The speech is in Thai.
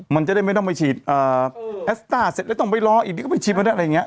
มันจะได้ไม่ต้องไปฉีดแอสต้าเสร็จแล้วต้องไปรออีกเดี๋ยวก็ไปฉีดมันได้อะไรอย่างนี้